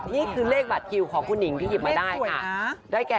นี่คือเลขบัตรคิวของคุณหญิงที่หยิบมาได้ค่ะ